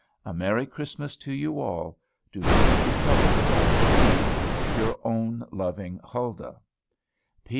A merry Christmas to you all. Do not be troubled about me. Your own loving HULDAH. P.